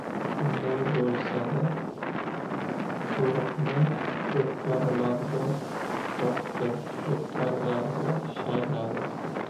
Shunday bo‘lsa-da, to‘riqni ko‘pkarilarga boqdi, ko‘pkarilarga shayladi.